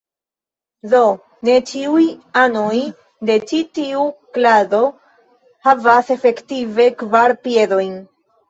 Do ne ĉiuj anoj de ĉi tiu klado havas efektive kvar piedojn.